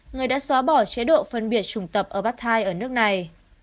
người đã xóa bỏ chế độ phân biệt chủng tập ở bắc thái ở nước này